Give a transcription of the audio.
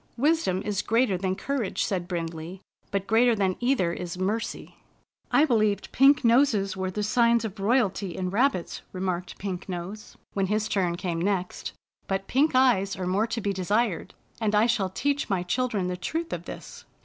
" Wisdom is greater than courage," said Brind ley, " but greater than either is mercy." I believed pink noses were the signs of roy alty in rabbits," remarked Pink Nose, when his turn came next, "but pink eyes are more to be desired, and I shall teach my children the truth of this."